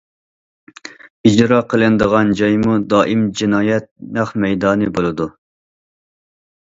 ئىجرا قىلىنىدىغان جايمۇ دائىم جىنايەت نەق مەيدانى بولىدۇ.